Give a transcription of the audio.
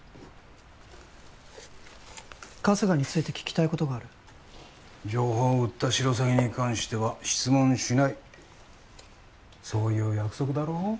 春日について聞きたいことがある情報を売ったシロサギに関しては質問しないそういう約束だろ？